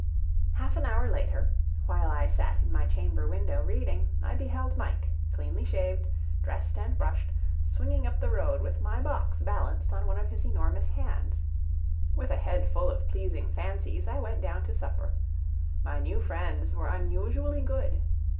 Half an hour later, while I sat in my chamber window, reading, I beheld Mike, cleanly shaved, dressed and brushed, swinging up the road, with my box balanced on one of his enormous hands. With a head full of pleasing fancies, I went down to supper. My new friends were unusually good.